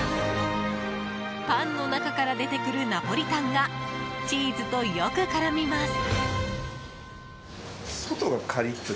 パンの中から出てくるナポリタンがチーズとよく絡みます。